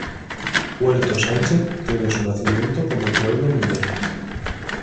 Puerto Sánchez tiene su nacimiento como pueblo minero.